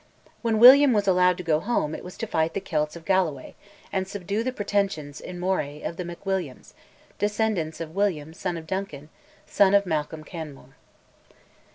When William was allowed to go home, it was to fight the Celts of Galloway, and subdue the pretensions, in Moray, of the MacWilliams, descendants of William, son of Duncan, son of Malcolm Canmore.